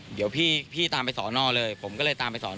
เดี๋ยวพี่ตามไปสอนอเลยผมก็เลยตามไปสอน